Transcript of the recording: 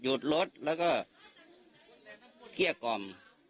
หยุดรถแล้วก็เกลี้ยกล่อม